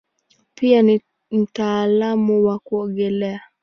Pia ni mtaalamu wa kuogelea.